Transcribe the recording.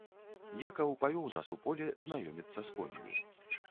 Якаў павёў нас у поле знаёміцца з коньмі.